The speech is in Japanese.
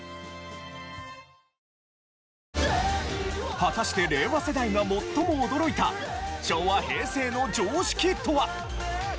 果たして令和世代が最も驚いた昭和・平成の常識とは？